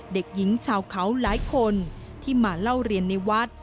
เด็กหญิงชาวเขาหลายคนที่มาเล่าเรียนในวัด